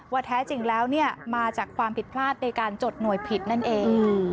แท้จริงแล้วมาจากความผิดพลาดในการจดหน่วยผิดนั่นเอง